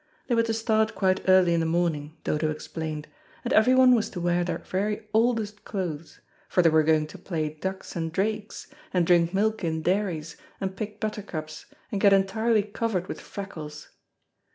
They were to start quite early in the morning, Dodo explained, and everyone was to wear their very oldest clothes, for they were going to play ducks and drakes, and drink milk in dairies, and pick buttercups, and get entirely covered with freckles.